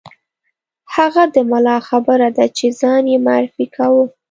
هغه د ملا خبره ده چې ځان یې معرفي کاوه.